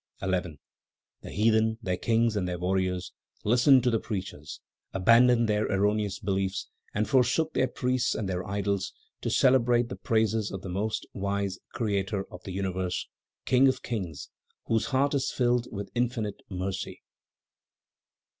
11. The heathen, their kings, and their warriors, listened to the preachers, abandoned their erroneous beliefs and forsook their priests and their idols, to celebrate the praises of the most wise Creator of the Universe, the King of Kings, whose heart is filled with infinite mercy.